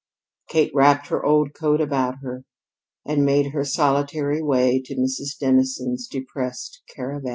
Kate wrapped her old coat about her and made her solitary way to Mrs. Dennison's depressed Caravansary.